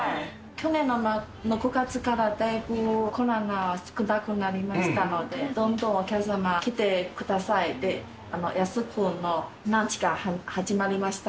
去年の６月からだいぶコロナも少なくなりましたので、どんどんお客様、来てくださいで、安くのランチが始まりました。